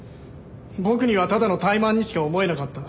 僕にはただの怠慢にしか思えなかった。